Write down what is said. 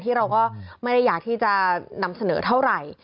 ที่เราก็ไม่ได้อยากที่จะนำเสนอเท่าไหร่